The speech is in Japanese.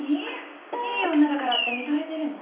いい女だからって見とれてるの？